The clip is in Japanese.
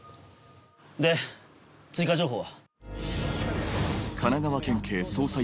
で追加情報は？